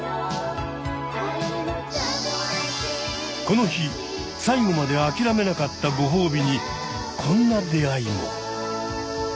この日最後まであきらめなかったご褒美にこんな出会いも。